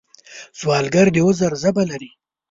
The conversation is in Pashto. سوالګر د عذر ژبه لري